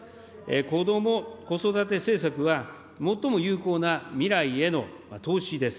こども・子育て政策は、最も有効な未来への投資です。